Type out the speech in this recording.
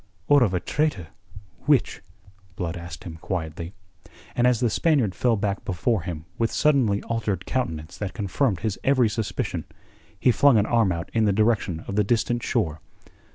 "Or of a traitor which?" Blood asked him quietly. And as the Spaniard fell back before him with suddenly altered countenance that confirmed his every suspicion, he flung an arm out in the direction of the distant shore.